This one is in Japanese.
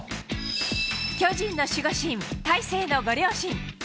巨人の守護神、大勢のご両親。